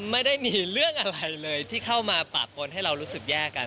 ไม่ได้มีเรื่องอะไรเลยที่เข้ามาปากปนให้เรารู้สึกแย่กัน